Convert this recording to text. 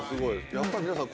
やっぱり皆さん